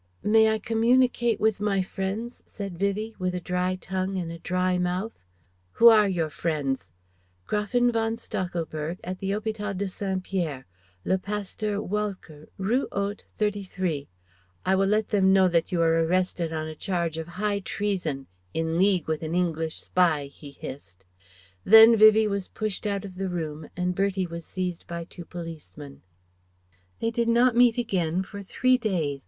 "May I communicate with my friends?" said Vivie, with a dry tongue in a dry mouth. "Who are your friends?" "Gräfin von Stachelberg, at the Hôpital de St. Pierre; le Pasteur Walcker, Rue Haute, 33 " "I will let them know that you are arrested on a charge of high treason in league with an English spy," he hissed. Then Vivie was pushed out of the room and Bertie was seized by two policemen They did not meet again for three days.